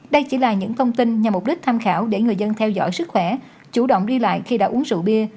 đây chỉ là những thông tin nhằm mục đích tham khảo để người dân theo dõi sức khỏe chủ động đi lại khi đã uống rượu bia